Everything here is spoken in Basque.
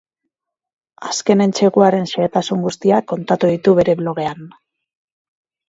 Azken entseguaren xehetasun guztiak kontatu ditu bere blogean.